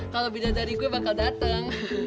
kalau bidadariku bakal dateng